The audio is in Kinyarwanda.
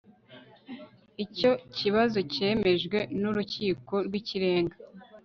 Icyo kibazo cyemejwe nUrukiko rwIkirenga